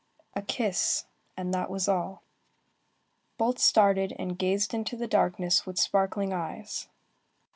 A kiss, and that was all. Both started, and gazed into the darkness with sparkling eyes.